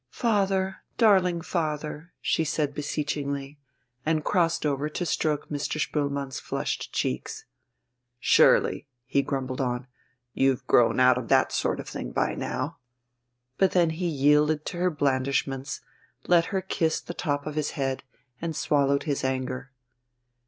"Father, darling father!" she said beseechingly, and crossed over to stroke Mr. Spoelmann's flushed cheeks. "Surely," he grumbled on, "you've grown out of that sort of thing by now." But then he yielded to her blandishments, let her kiss the top of his head, and swallowed his anger.